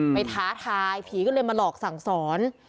ท้าทายผีก็เลยมาหลอกสั่งสอน